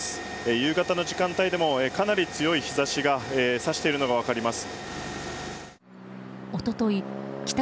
夕方の時間帯でもかなり強い日差しが差しているのが分かります。